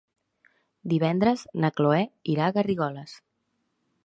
Divendres na Cloè irà a Garrigoles.